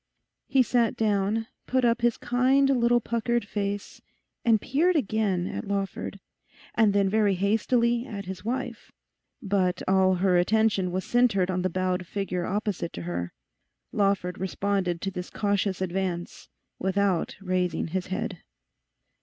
He sat down, put up his kind little puckered face and peered again at Lawford, and then very hastily at his wife. But all her attention was centred on the bowed figure opposite to her. Lawford responded to this cautious advance without raising his head.